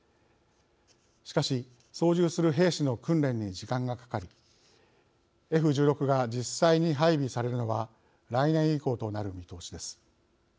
しかし、操縦する兵士の訓練に時間がかかりＦ１６が実際に配備されるのは来年以降となる見通しです。